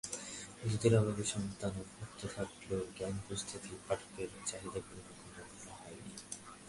দুধের অভাবে সন্তান অভুক্ত থাকলেও জ্ঞানপিপাসু পাঠকদের চাহিদা পূরণে কোনো অবহেলা হয়নি।